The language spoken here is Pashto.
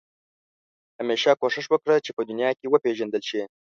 همېشه کوښښ وکړه چې په دنیا کې وپېژندل شې.